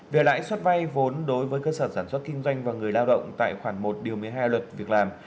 về lãi suất vay vốn đối với cơ sở sản xuất kinh doanh và người lao động tại khoản một điều một mươi hai luật việc làm